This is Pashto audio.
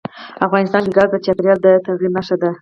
افغانستان کې ګاز د چاپېریال د تغیر نښه ده.